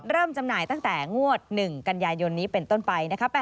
จำหน่ายตั้งแต่งวด๑กันยายนนี้เป็นต้นไปนะคะ